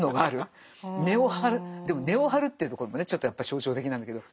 でも根を張るというところもねちょっとやっぱり象徴的なんだけど。